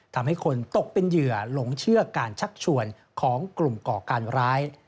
ทำให้คนตกเป็นเหยื่อหลงเชื่อการชักชวนของกลุ่มก่อการร้าย